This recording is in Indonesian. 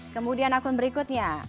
kemudian akun berikutnya